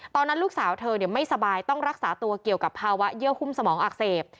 ตอนนั้นลูกสาวเธอไม่สบายต้องรักษาตัวเกี่ยวกับภาวะเยื่อหุ้มสมองอักเสบ